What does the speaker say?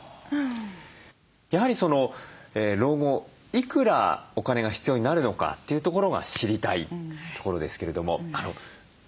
やはり老後いくらお金が必要になるのかというところが知りたいところですけれども目安をですね